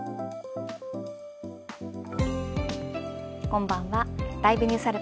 こんばんは。